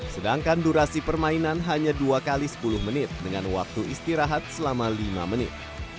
sedangkan durasi permainan hanya dua x sepuluh menit dengan waktu istirahat selama lima menit